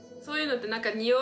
そういうのって